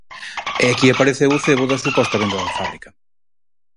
E aquí apareceu o cebo da suposta venda da fábrica.